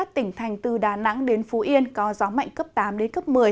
tỉnh thành từ đà nẵng đến phú yên có gió mạnh cấp tám đến cấp một mươi